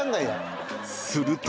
［すると］